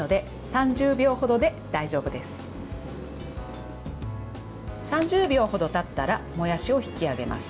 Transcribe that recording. ３０秒程たったらもやしを引き上げます。